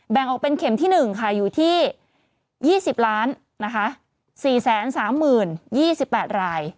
แบ่งออกเป็นเข็มที่๑ค่ะอยู่ที่๒๐๔๓๐๒๘ราย